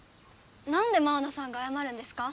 なんでマウナさんがあやまるんですか？